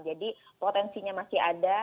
jadi potensinya masih ada